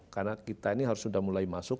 karena kita ini harus sudah mulai masuk